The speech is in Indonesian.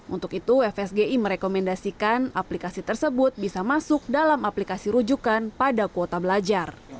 untuk itu fsgi merekomendasikan aplikasi tersebut bisa masuk dalam aplikasi rujukan pada kuota belajar